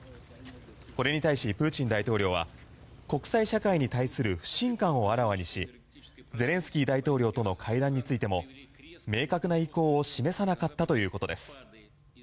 これに対し、プーチン大統領は国際社会に対する不信感をあらわにしゼレンスキー大統領との会談についても明確な意向を示さなかったということです。